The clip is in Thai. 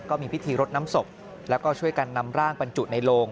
ก็มีพิธีรดน้ำศพแล้วก็ช่วยกันนำร่างบรรจุในโลง